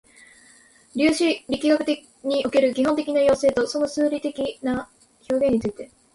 量子力学における基本的な要請とその数理的な表現について